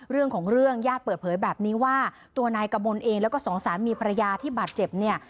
เรื่องของเรื่องญาติเปิดเผยแบบนี้ว่าตัวนายกมลเองแล้วก็สองสามีภรรยาที่บาดเจ็บเนี่ย